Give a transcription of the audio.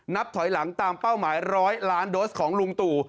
นับถอยหลังตามเป้าหมาย๑๐๐ล้านโดสของลุงตู่